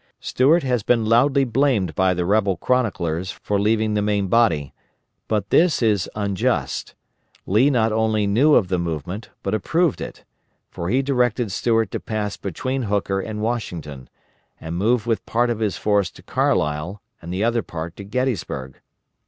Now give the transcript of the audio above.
Stuart has been loudly blamed by the rebel chroniclers for leaving the main body, but this is unjust; Lee not only knew of the movement, but approved it; for he directed Stuart to pass between Hooker and Washington, and move with part of his force to Carlisle and the other part to Gettysburg.